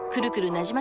なじま